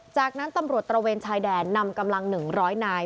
จากนั้นตำรวจตระเวนชายแดนนำกำลัง๑๐๐นาย